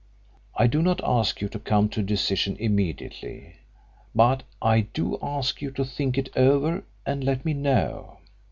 I do not ask you to come to a decision immediately, but I do ask you to think it over and let me know.